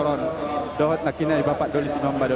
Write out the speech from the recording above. dan juga menarik bapak jokowi dodo